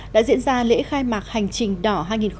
đã diễn ra lễ khai mạc hành trình đỏ hai nghìn một mươi tám